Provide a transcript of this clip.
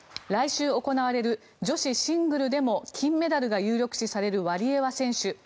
来週行われる女子シングルでも金メダルが有力視されるワリエワ選手。